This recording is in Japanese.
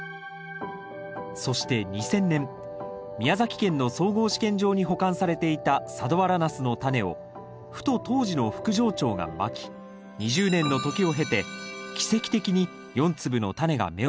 そして２０００年宮崎県の総合試験場に保管されていた佐土原ナスのタネをふと当時の副場長がまき２０年の時を経て奇跡的に４粒のタネが芽を出します。